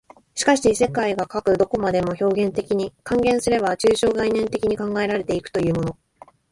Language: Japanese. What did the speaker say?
しかし世界がかく何処までも表現的に、換言すれば抽象概念的に考えられて行くというのも、